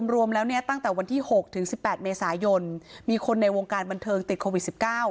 รวมแล้วเนี่ยตั้งแต่วันที่๖ถึง๑๘เมษายนมีคนในวงการบันเทิงติดโควิด๑๙